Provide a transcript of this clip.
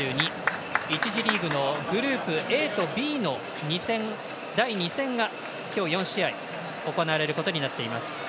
次リーグのグループＡとＢの第２戦が今日４試合、行われることになっています。